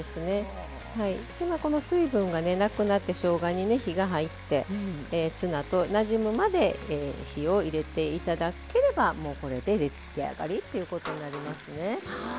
今この水分がなくなってしょうがに火が入ってツナとなじむまで火を入れて頂ければもうこれで出来上がりということになりますね。